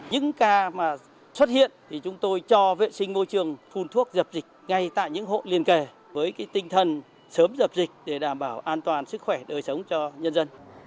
những ca mà xuất hiện thì chúng tôi cho vệ sinh môi trường phun thuốc dập dịch ngay tại những hộ liên kề với tinh thần sớm dập dịch để đảm bảo an toàn sức khỏe đời sống cho nhân dân